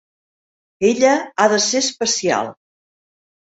Ella ha de ser especial.